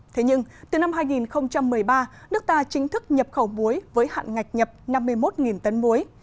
thế nhưng từ năm hai nghìn một mươi ba nước ta chính thức nhập khẩu muối với hạn ngạch nhập năm mươi một tấn muối